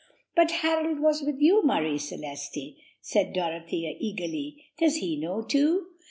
"But Harold was with you, Marie Celeste," said Dorothy eagerly; "does he know, too?"